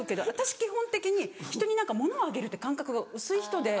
基本的に人に物をあげるって感覚が薄い人で。